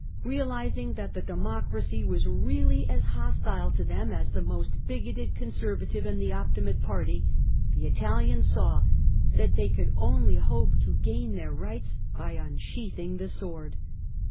Realising that the Democracy was really as hostile to them as the most bigoted conservative in the Optimate party, the Italians saw that they could only hope to gain their rights by unsheathing the sword.